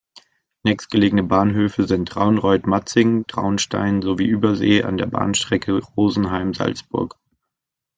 Nächstgelegene Bahnhöfe sind Traunreut-Matzing, Traunstein sowie Übersee an der Bahnstrecke Rosenheim–Salzburg.